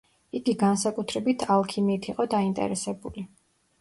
იგი განსაკუთრებით ალქიმიით იყო დაინტერესებული.